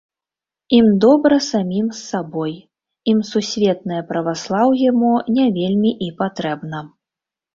Ім добра самім з сабой, ім сусветнае праваслаўе мо не вельмі і патрэбна.